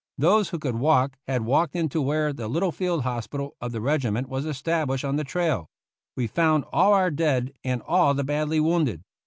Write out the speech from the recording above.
Those who could walk had walked in to where the little field hospital of the regiment was estab lished on the trail. We found all our dead and all the badly wounded.